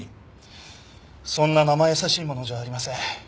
そんな生易しいものじゃありません。